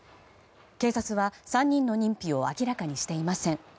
警察は３人の認否を明らかにしていません。